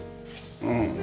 うん。